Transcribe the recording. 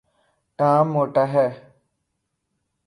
Tom موٹا ہے